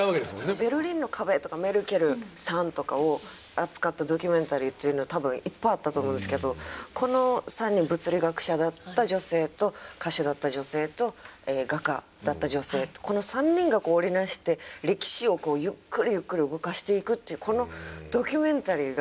ベルリンの壁とかメルケルさんとかを扱ったドキュメンタリーっていうのは多分いっぱいあったと思うんですけどこの３人物理学者だった女性と歌手だった女性と画家だった女性ってこの３人がこう織り成して歴史をこうゆっくりゆっくり動かしていくっていうこのドキュメンタリーが。